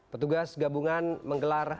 petugas gabungan menggelar